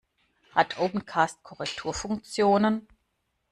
Hat Opencast Korrekturfunktionen?